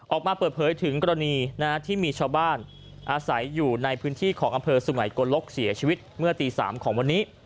ออกมาเปิดเผยถึงกรณีที่มีชาวบ้านอาศัยอยู่ในพื้นที่ของอำเภอสุงัยกลลกเสียชีวิตเมื่อตี๓ของวันนี้